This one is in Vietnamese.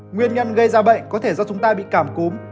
nguyên nhân gây ra bệnh có thể do chúng ta bị cảm cúm